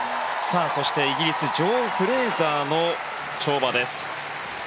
そしてイギリスジョー・フレーザーの跳馬です。